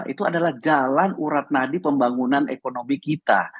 itu adalah jalan urat nadi pembangunan ekonomi kita